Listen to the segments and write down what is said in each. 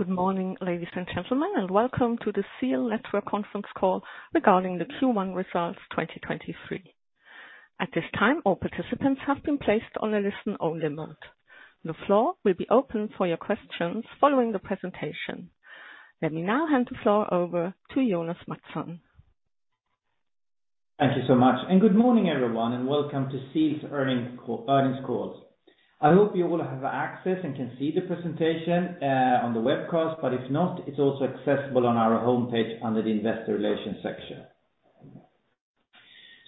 Good morning, ladies and gentlemen, welcome to the ZEAL Network Conference Call regarding the Q1 results 2023. At this time, all participants have been placed on a listen-only mode. The floor will be open for your questions following the presentation. Let me now hand the floor over to Jonas Mattsson. Thank you so much. Good morning, everyone, and welcome to ZEAL's earnings call. I hope you all have access and can see the presentation on the webcast. If not, it's also accessible on our homepage under the Investor Relations section.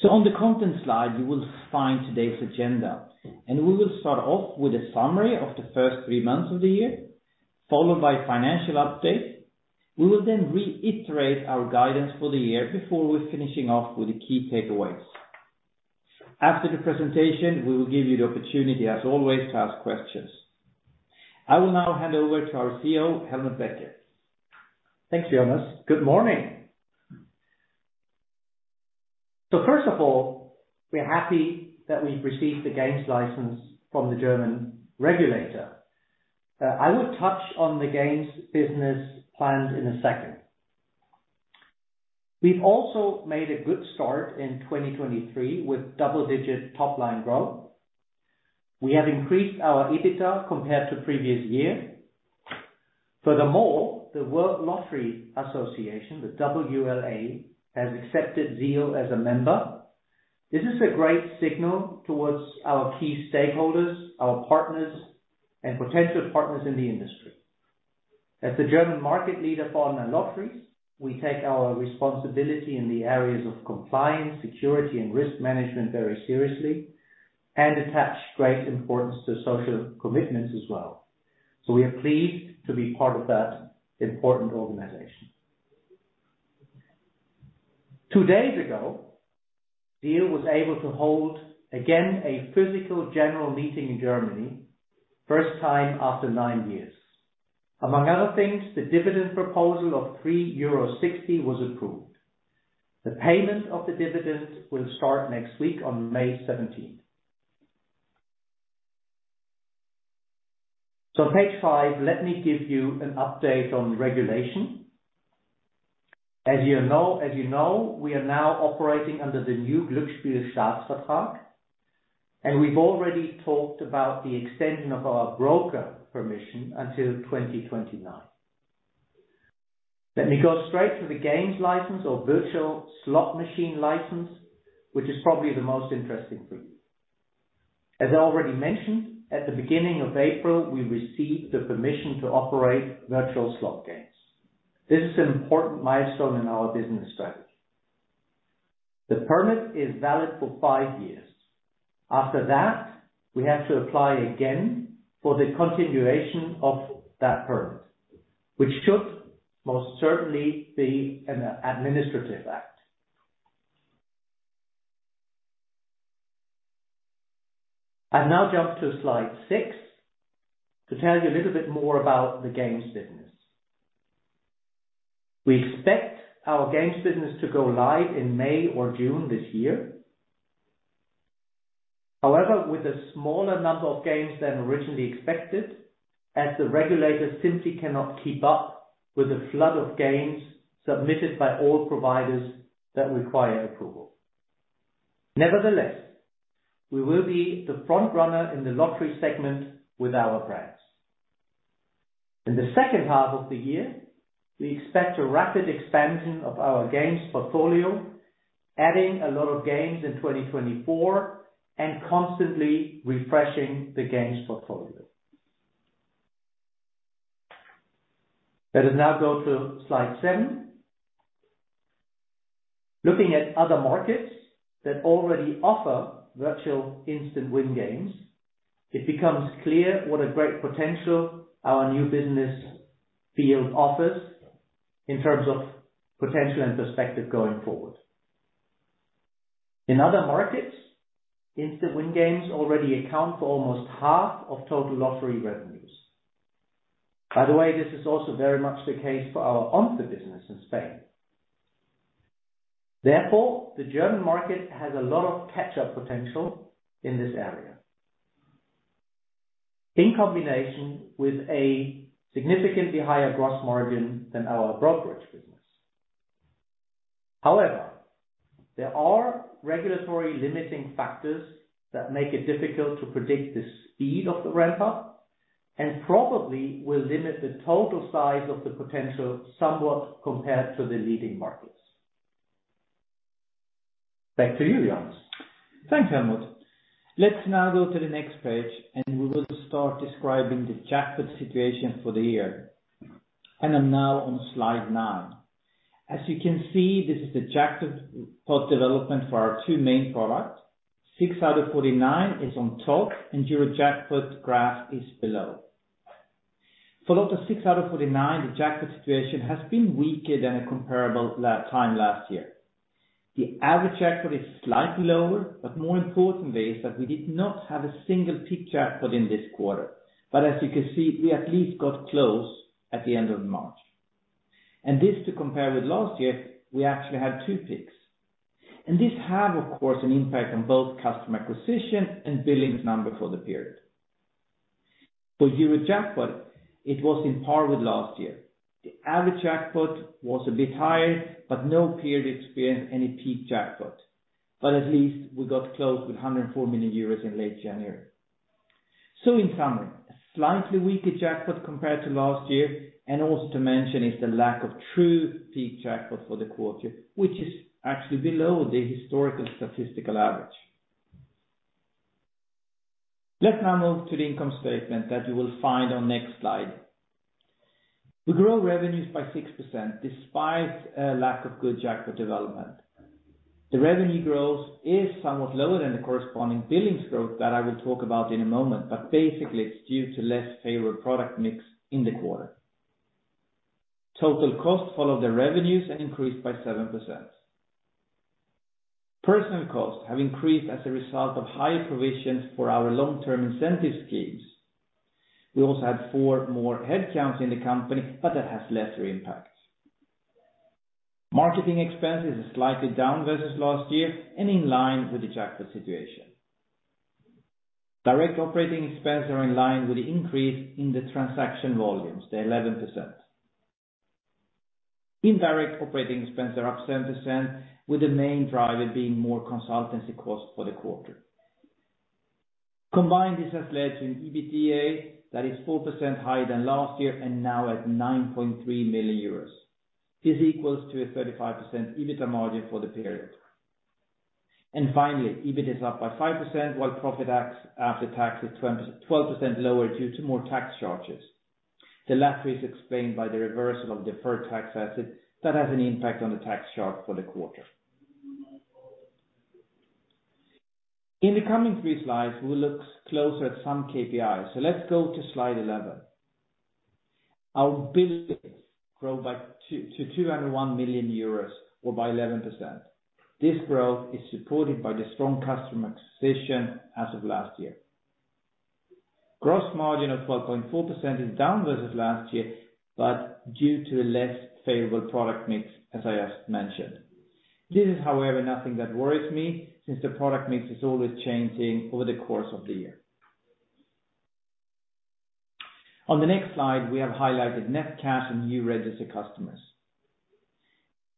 On the content slide, you will find today's agenda. We will start off with a summary of the first three months of the year, followed by financial update. We will reiterate our guidance for the year before we're finishing off with the key takeaways. After the presentation, we will give you the opportunity, as always, to ask questions. I will now hand over to our CEO, Helmut Becker. Thanks, Jonas. Good morning. First of all, we're happy that we've received the games license from the German regulator. I will touch on the games business plans in a second. We've also made a good start in 2023 with double-digit top-line growth. We have increased our EBITDA compared to previous year. Furthermore, the World Lottery Association, the WLA, has accepted ZEAL as a member. This is a great signal towards our key stakeholders, our partners, and potential partners in the industry. As the German market leader for online lotteries, we take our responsibility in the areas of compliance, security, and risk management very seriously and attach great importance to social commitments as well. We are pleased to be part of that important organization. Two days ago, ZEAL was able to hold, again, a physical general meeting in Germany, first time after nine years. Among other things, the dividend proposal of 3.60 euro was approved. The payment of the dividend will start next week on May 17th. Page 5, let me give you an update on regulation. As you know, we are now operating under the new Glücksspielstaatsvertrag, and we've already talked about the extension of our broker permission until 2029. Let me go straight to the games license or virtual slot machine license, which is probably the most interesting for you. As I already mentioned, at the beginning of April, we received the permission to operate virtual slot games. This is an important milestone in our business strategy. The permit is valid for 5 years. After that, we have to apply again for the continuation of that permit, which should most certainly be an administrative act. I now jump to slide six to tell you a little bit more about the games business. We expect our games business to go live in May or June this year. With a smaller number of games than originally expected, as the regulators simply cannot keep up with the flood of games submitted by all providers that require approval. We will be the front runner in the lottery segment with our brands. In the second half of the year, we expect a rapid expansion of our games portfolio, adding a lot of games in 2024 and constantly refreshing the games portfolio. Let us now go to slide seven. Looking at other markets that already offer virtual instant win games, it becomes clear what a great potential our new business field offers in terms of potential and perspective going forward. In other markets, instant win games already account for almost half of total lottery revenues. By the way, this is also very much the case for our ONCE business in Spain. Therefore, the German market has a lot of catch-up potential in this area. In combination with a significantly higher gross margin than our brokerage business. There are regulatory limiting factors that make it difficult to predict the speed of the ramp up and probably will limit the total size of the potential somewhat compared to the leading markets. Back to you, Jonas. Thanks, Helmut. Let's now go to the next page, we will start describing the jackpot situation for the year. I'm now on slide 9. As you can see, this is the jackpot development for our two main products. 6/49 is on top, and Eurojackpot graph is below. For LOTTO 6/49, the jackpot situation has been weaker than a comparable time last year. The average jackpot is slightly lower, but more importantly is that we did not have a single peak jackpot in this quarter. As you can see, we at least got close at the end of March. This to compare with last year, we actually had two peaks. This have, of course, an impact on both customer acquisition and billings number for the period. For Eurojackpot, it was in par with last year. The average jackpot was a bit higher, no period experienced any peak jackpot. At least we got close with 104 million euros in late January. In summary, a slightly weaker jackpot compared to last year, and also to mention is the lack of true peak jackpot for the quarter, which is actually below the historical statistical average. Let's now move to the income statement that you will find on next slide. We grow revenues by 6% despite a lack of good jackpot development. The revenue growth is somewhat lower than the corresponding billings growth that I will talk about in a moment, but basically it's due to less favorable product mix in the quarter. Total costs follow the revenues and increased by 7%. Personnel costs have increased as a result of higher provisions for our long-term incentive schemes. We also had 4 more headcounts in the company, that has lesser impacts. Marketing expenses are slightly down versus last year and in line with the jackpot situation. Direct operating expenses are in line with the increase in the transaction volumes, the 11%. Indirect operating expenses are up 7%, with the main driver being more consultancy costs for the quarter. Combined, this has led to an EBITDA that is 4% higher than last year and now at 9.3 million euros. This equals to a 35% EBITDA margin for the period. Finally, EBIT is up by 5%, while after tax is 12% lower due to more tax charges. The latter is explained by the reversal of deferred tax assets that has an impact on the tax charge for the quarter. In the coming three slides, we'll look closer at some KPIs. Let's go to slide 11. Our billings grow to 2.1 million euros or by 11%. This growth is supported by the strong customer acquisition as of last year. Gross margin of 12.4% is down versus last year, but due to a less favorable product mix, as I just mentioned. This is, however, nothing that worries me since the product mix is always changing over the course of the year. On the next slide, we have highlighted net cash and new registered customers.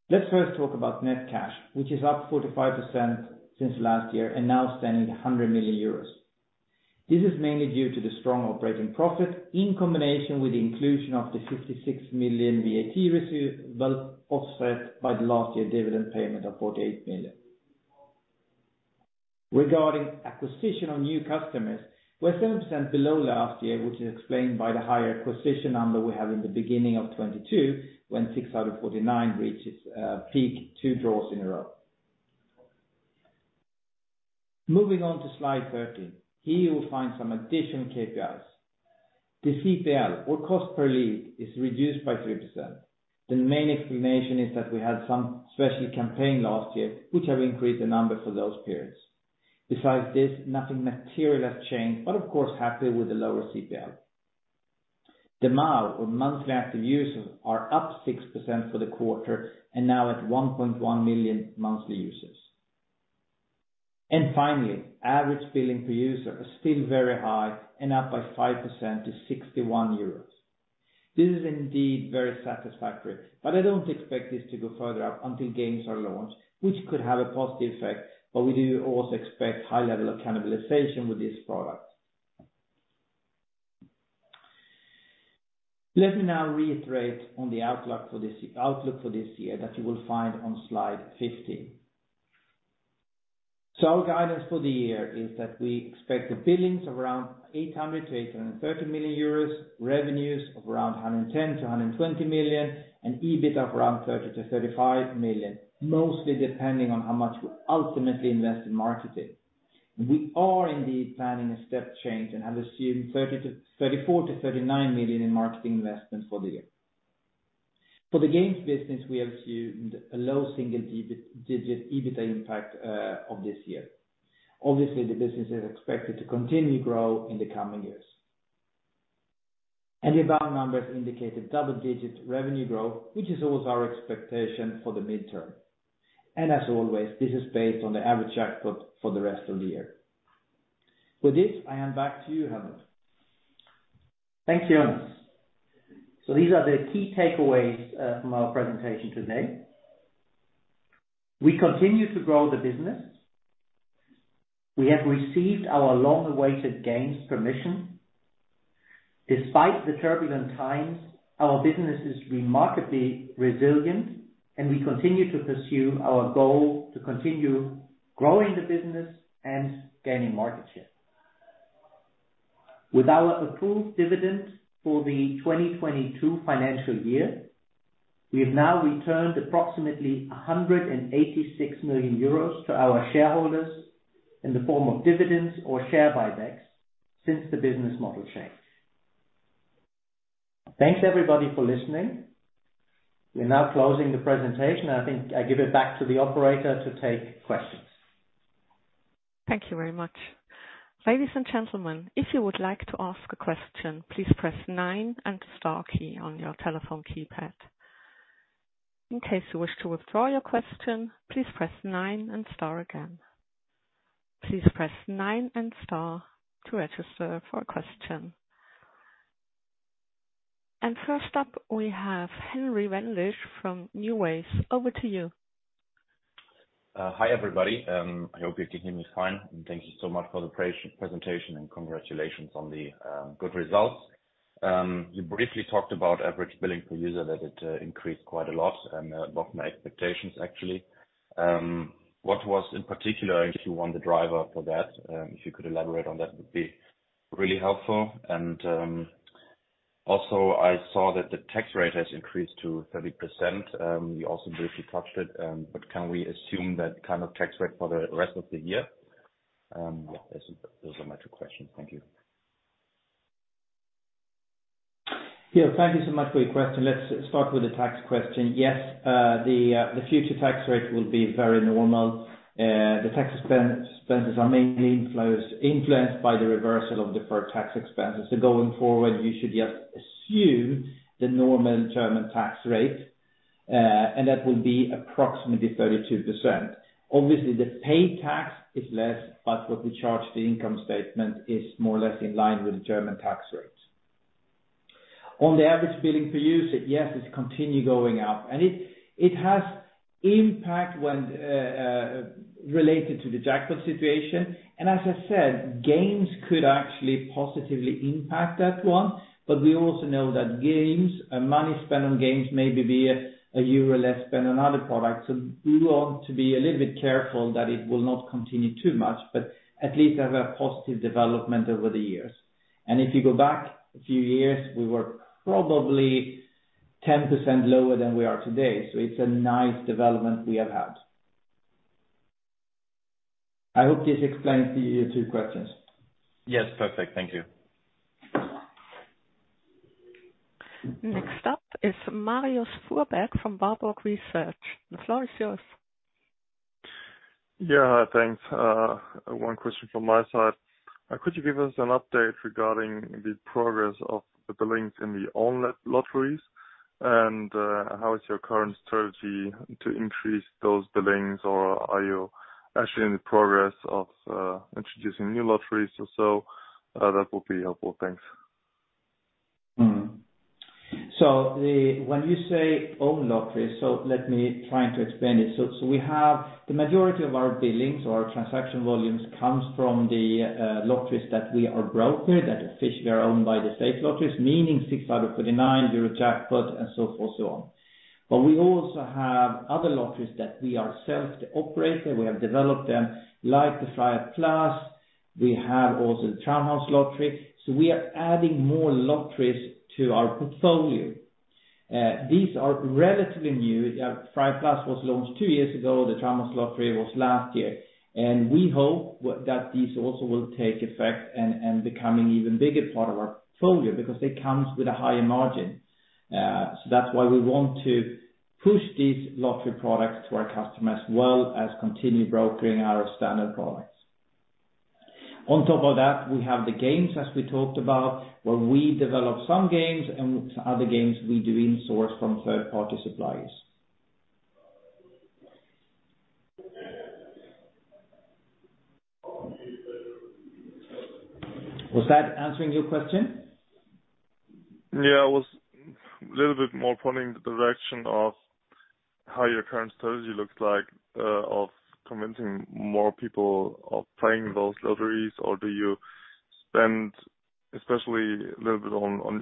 Let's first talk about net cash, which is up 45% since last year and now standing 100 million euros. This is mainly due to the strong operating profit in combination with the inclusion of the 56 million VAT receipt, but offset by the last year dividend payment of 48 million. Regarding acquisition of new customers, we're 7% below last year, which is explained by the higher acquisition number we have in the beginning of 2022 when LOTTO 6/49 reaches peak two draws in a row. Moving on to slide 13. Here you will find some additional KPIs. The CPL or cost per lead is reduced by 3%. The main explanation is that we had some special campaign last year, which have increased the number for those periods. Besides this, nothing material has changed, but of course, happy with the lower CPL. The MAU or monthly active users are up 6% for the quarter and now at 1.1 million monthly users. Finally, average billing per user is still very high and up by 5% to 61 euros. This is indeed very satisfactory, but I don't expect this to go further up until games are launched, which could have a positive effect, but we do also expect high level of cannibalization with this product. Let me now reiterate on the outlook for this outlook for this year that you will find on slide 15. Our guidance for the year is that we expect the billings of around 800 million-830 million euros, revenues of around 110 million-120 million, and EBIT of around 30 million-35 million, mostly depending on how much we ultimately invest in marketing. We are indeed planning a step change and have assumed 34 million-39 million in marketing investments for the year. For the games business, we have assumed a low single-digit EBITDA impact of this year. Obviously, the business is expected to continue grow in the coming years. The bottom numbers indicate a double-digit revenue growth, which is also our expectation for the midterm. As always, this is based on the average jackpot for the rest of the year. With this, I hand back to you, Helmut. Thanks, Jonas. These are the key takeaways from our presentation today. We continue to grow the business. We have received our long-awaited gains permission. Despite the turbulent times, our business is remarkably resilient, and we continue to pursue our goal to continue growing the business and gaining market share. With our approved dividend for the 2022 financial year, we have now returned approximately 186 million euros to our shareholders in the form of dividends or share buybacks since the business model changed. Thanks, everybody, for listening. We are now closing the presentation, and I think I give it back to the operator to take questions. Thank you very much. Ladies and gentlemen, if you would like to ask a question, please press 9 and the star key on your telephone keypad. In case you wish to withdraw your question, please press 9 and star again. Please press 9 and star to register for a question. First up, we have Henning Wendisch from NuWays. Over to you. Hi, everybody. I hope you can hear me fine, and thank you so much for the presentation, and congratulations on the good results. You briefly talked about average billing per user, that it increased quite a lot and above my expectations actually. What was in particular, if you want, the driver for that? If you could elaborate on that, would be really helpful. Also, I saw that the tax rate has increased to 30%. You also briefly touched it, but can we assume that kind of tax rate for the rest of the year? Those are my two questions. Thank you. Yeah, thank you so much for your question. Let's start with the tax question. Yes, the future tax rate will be very normal. The tax spend is mainly inflows influenced by the reversal of deferred tax expenses. Going forward, you should just assume the normal German tax rate, and that will be approximately 32%. Obviously, the paid tax is less, but what we charge the income statement is more or less in line with the German tax rates. On the average billing per user, yes, it's continue going up. It has impact when related to the jackpot situation. As I said, games could actually positively impact that one. We also know that games, money spent on games maybe be EUR 1 less spent on other products. We want to be a little bit careful that it will not continue too much, but at least have a positive development over the years. If you go back a few years, we were probably 10% lower than we are today. It's a nice development we have had. I hope this explains the two questions. Yes. Perfect. Thank you. Next up is Marius Fuhrberg from Warburg Research. The floor is yours. Yeah, thanks. One question from my side. Could you give us an update regarding the progress of the billings in the own lotteries? How is your current strategy to increase those billings or are you actually in the progress of introducing new lotteries also? That would be helpful. Thanks. The... When you say own lotteries, let me try to explain it. We have the majority of our billings or transaction volumes comes from the lotteries that we are broker, that officially are owned by the state lotteries, meaning six out of forty-nine, Eurojackpot, and so forth so on. We also have other lotteries that we are self the operator, we have developed them, like the freiheit+. We have also the Deutsche Traumhauslotterie. We are adding more lotteries to our portfolio. These are relatively new. freiheit+ was launched 2 years ago. The Deutsche Traumhauslotterie was last year. We hope that these also will take effect and becoming even bigger part of our portfolio because they comes with a higher margin. That's why we want to push these lottery products to our customers, as well as continue brokering our standard products. On top of that, we have the games, as we talked about, where we develop some games and other games we do in-source from third party suppliers. Was that answering your question? Yeah. I was a little bit more pointing the direction of how your current strategy looks like, of convincing more people of playing those lotteries or do you spend especially a little bit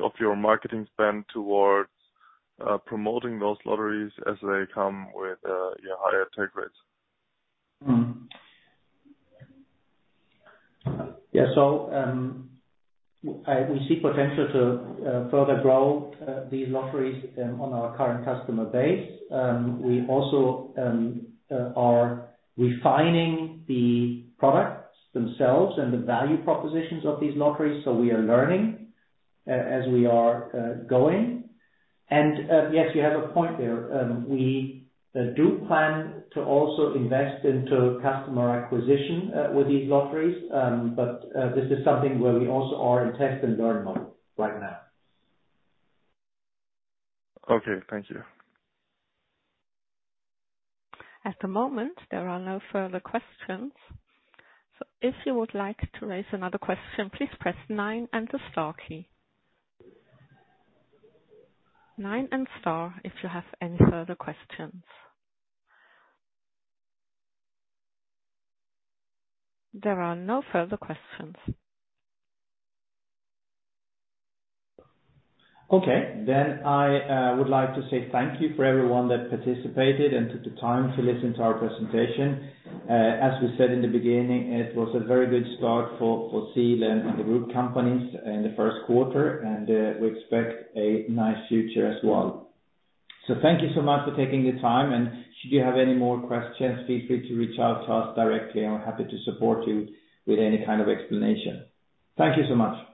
of your marketing spend towards promoting those lotteries as they come with, yeah, higher take rates? We see potential to further grow these lotteries on our current customer base. We also are refining the products themselves and the value propositions of these lotteries, so we are learning as we are going. Yes, you have a point there. We do plan to also invest into customer acquisition with these lotteries. This is something where we also are in test and learn mode right now. Okay. Thank you. At the moment, there are no further questions. If you would like to raise another question, please press 9 and the star key. 9 and star if you have any further questions. There are no further questions. Okay. I would like to say thank you for everyone that participated and took the time to listen to our presentation. As we said in the beginning, it was a very good start for ZEAL and the group companies in the Q1, and we expect a nice future as well. Thank you so much for taking the time, and should you have any more questions, feel free to reach out to us directly. I'm happy to support you with any kind of explanation. Thank you so much.